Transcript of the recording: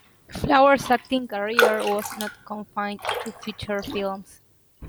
Flowers's acting career was not confined to feature films.